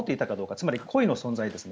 つまり故意の存在ですね。